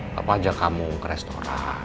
bapak ajak kamu ke restoran